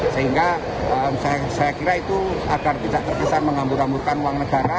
sehingga saya kira itu agar tidak terkesan menghambur hamburkan uang negara